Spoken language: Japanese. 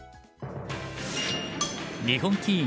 日本棋院